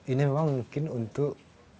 ini memang mungkin untuk